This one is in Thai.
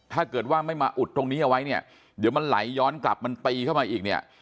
ถ้าเกิดว่าไม่มาอุดตรงนี้เอาไว้เนี่ยเดี๋ยวมันไหลย้อนกลับมันตีเข้ามาอีกเนี่ย